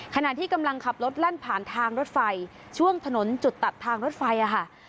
ขณะที่กำลังขับรถแล่นผ่านทางรถไฟช่วงถนนจุดตัดทางรถไฟค่ะ